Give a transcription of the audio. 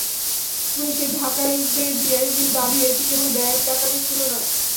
পুলিশের ঢাকা রেঞ্জের ডিআইজির দাবি, এটি কেবল ব্যাংক ডাকাতি ছিল না।